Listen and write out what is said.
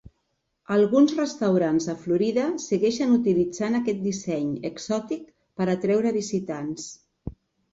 Alguns restaurants a Florida segueixen utilitzant aquest disseny exòtic per atreure visitants.